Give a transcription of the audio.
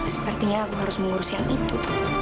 sepertinya aku harus mengurus yang itu